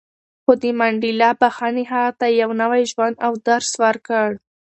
خو د منډېلا بښنې هغه ته یو نوی ژوند او درس ورکړ.